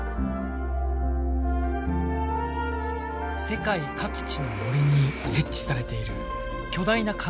世界各地の森に設置されている巨大な観測タワー。